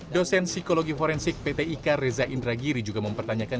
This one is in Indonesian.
dosen psikologi forensik pt ika reza indragiri juga mempertanyakan